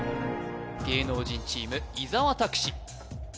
芸能人チーム伊沢拓司